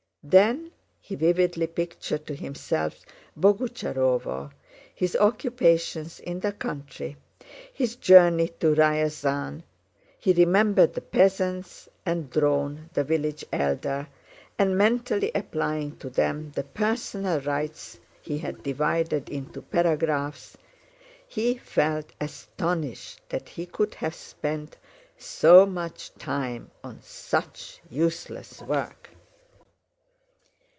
Then he vividly pictured to himself Boguchárovo, his occupations in the country, his journey to Ryazán; he remembered the peasants and Dron the village elder, and mentally applying to them the Personal Rights he had divided into paragraphs, he felt astonished that he could have spent so much time on such useless work.